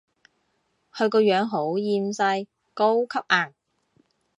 佢個樣好厭世，高級顏